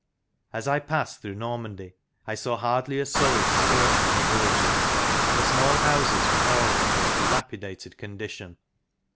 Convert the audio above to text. As I passed through Normandy, I saw hardly a soul stirring in the villages, and the small houses were all in a most dilapidated condition.